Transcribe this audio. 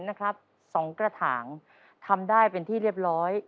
นะครับสองกระถางทำได้เป็นที่เรียบร้อย